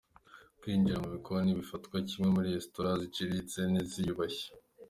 Kwinjira mu bikoni ntibifatwa kimwe muri Restaurant ziciriritse n’izuyubashye.